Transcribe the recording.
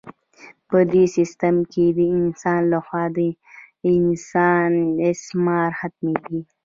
په دې سیستم کې د انسان لخوا د انسان استثمار ختمیږي.